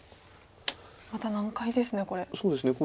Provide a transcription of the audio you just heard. また難解ですねこれ。